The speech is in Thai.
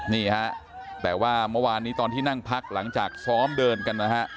นี่ฮะแต่ว่าเมื่อวานนี้ตอนที่นั่งพักหลังจากซ้อมเดินกันนะฮะ